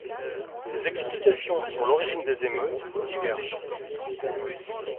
Les explications sur l'origine des émeutes divergent.